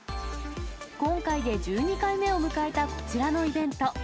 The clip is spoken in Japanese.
今回で１２回目を迎えたこちらのイベント。